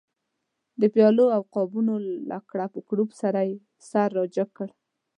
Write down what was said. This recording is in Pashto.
د پیالو او قابونو له کړپ کړوپ سره یې سر را جګ کړ.